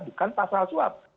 bukan pasal suap